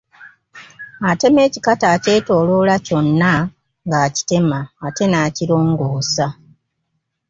Atema ekikata akyetooloola kyonna ng’akitema ate n’akirongoosa.